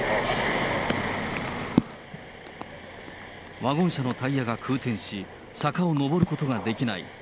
ワゴン車のタイヤが空転し、坂をのぼることができない。